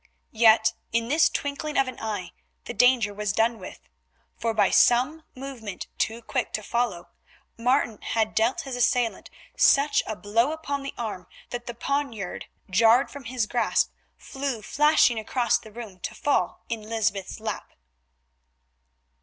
Yet in this twinkling of an eye the danger was done with, for by some movement too quick to follow, Martin had dealt his assailant such a blow upon the arm that the poniard, jarred from his grasp, flew flashing across the room to fall in Lysbeth's lap.